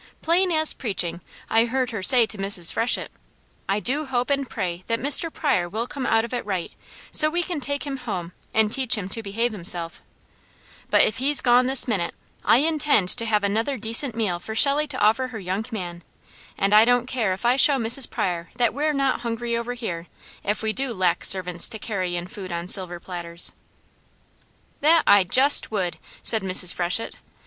Plain as preaching I heard her say to Mrs. Freshett: "I do hope and pray that Mr. Pryor will come out of it right, so we can take him home, and teach him to behave himself; but if he's gone this minute, I intend to have another decent meal for Shelley to offer her young man; and I don't care if I show Mrs. Pryor that we're not hungry over here, if we do lack servants to carry in food on silver platters." "That I jest would!" said Mrs. Freshett.